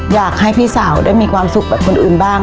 อยากให้พี่สาวได้มีความสุขแบบคนอื่นบ้าง